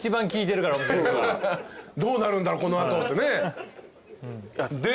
どうなるんだろこの後ってね。